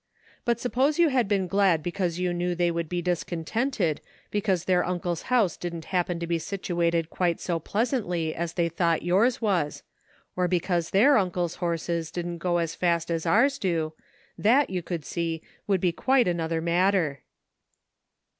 But suppose you had been glad because you knew they would be dis contented because their uncle's house didn't happen to be situated quite so pleasantly as they thought yours was, or because their uncle's horses didn't go so fast as ours do, that, you could see, would be quite another matter."